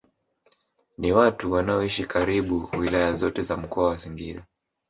Ni watu wanaoishi karibu wilaya zote za mkoa wa Singida